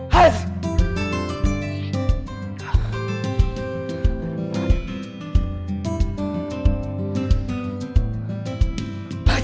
dan gak mencerahkan aku